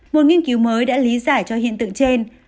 một nghiên cứu mới đã lý giải cho hiện tượng trên